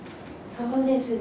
そうですね。